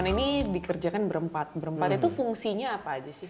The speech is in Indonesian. nah kan neon ini dikerjakan berempat berempat itu fungsinya apa aja sih